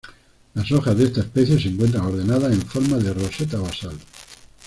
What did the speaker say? Las hojas de esta especie se encuentran ordenadas en forma de roseta basal.